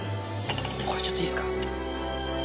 これちょっといいですか。